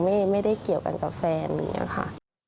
ไม่ได้เกี่ยวกันกับแฟนอย่างนี้ค่ะ